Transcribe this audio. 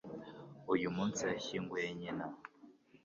Uyu munsi yashyinguye nyina.